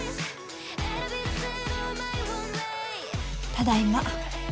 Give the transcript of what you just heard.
ただいま。